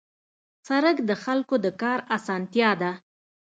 سړک د خلکو د کار اسانتیا ده.